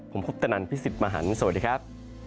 ผมคุปตนันพี่สิทธิ์มหันฯสวัสดีครับ